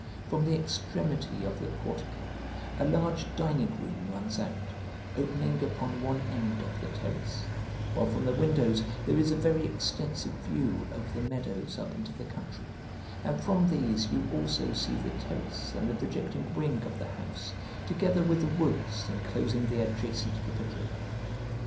From the extremity of the portico a large dining room runs out, opening upon one end of the terrace, while from the windows there is a very extensive view over the meadows up into the country, and from these you also see the terrace and the projecting wing of the house together with the woods enclosing the adjacent hippodrome.